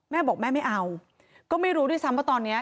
แม่บอกแม่ไม่เอาก็ไม่รู้ด้วยซ้ำว่าตอนนี้